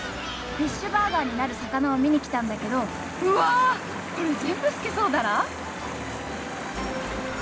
フィッシュバーガーになる魚を見に来たんだけど。うわ！これ全部スケソウダラ！？